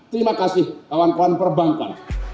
terima kasih kawan kawan perbankan